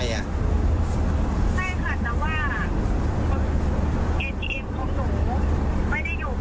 เนี่ยค่ะแต่ว่า